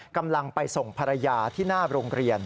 กำลังไปส่งภรรยาที่หน้าโรงเรียน